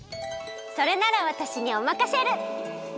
それならわたしにおまかシェル。